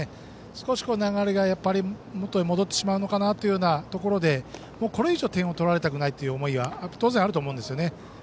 少し、流れが元に戻ってしまうのかなというところでこれ以上点を取られたくないという思いは当然あると思うんですよね。